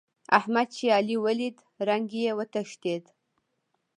احمد چې علي وليد؛ رنګ يې وتښتېد.